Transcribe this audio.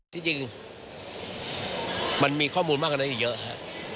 ที่จริงมันมีข้อมูลมากกว่านั้นอีกเยอะครับ